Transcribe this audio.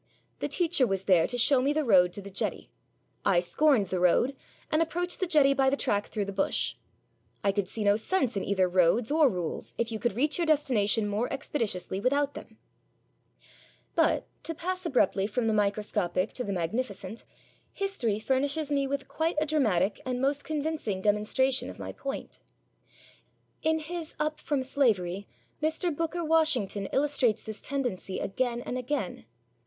The teacher was there to show me the road to the jetty; I scorned the road, and approached the jetty by the track through the bush. I could see no sense in either roads or rules if you could reach your destination more expeditiously without them. But, to pass abruptly from the microscopic to the magnificent, history furnishes me with a quite dramatic and most convincing demonstration of my point. In his Up From Slavery, Mr. Booker Washington illustrates this tendency again and again.